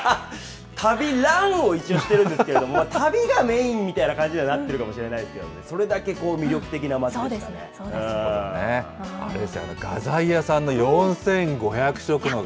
旅ランを一応してるんですけれども、旅がメインみたいな感じにはなってるかもしれないですけどね、それだけ魅力的な街でしたあれですよ、画材屋さんの４５００色の顔料。